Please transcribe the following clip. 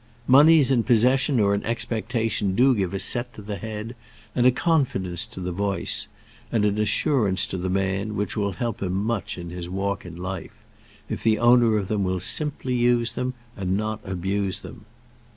Moneys in possession or in expectation do give a set to the head, and a confidence to the voice, and an assurance to the man, which will help him much in his walk in life if the owner of them will simply use them, and not abuse them.